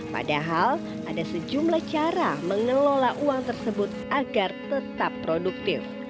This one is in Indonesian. padahal ada sejumlah cara mengelola uang tersebut agar tetap produktif